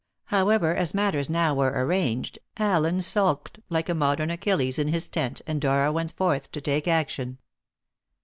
However, as matters now were arranged, Allen sulked like a modern Achilles in his tent, and Dora went forth to take action.